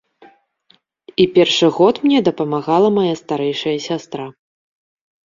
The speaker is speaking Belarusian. І першы год мне дапамагала мая старэйшая сястра.